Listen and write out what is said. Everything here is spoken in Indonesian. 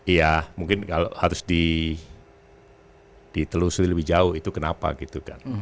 iya mungkin kalau harus ditelusuri lebih jauh itu kenapa gitu kan